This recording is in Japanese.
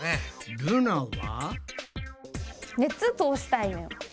ルナは？